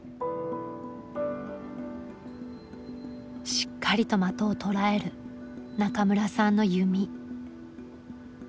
しっかりと的を捉える中村さんの弓。